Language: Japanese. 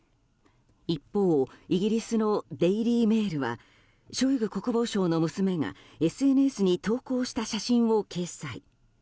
一方、イギリスのデイリー・メールはショイグ国防相の娘がＳＮＳに投稿した写真を掲載。